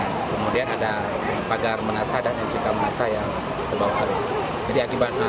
rumah rusak tinggal kemudian ada pagar manasadana cekam masa yang terbawa harus jadi akibatnya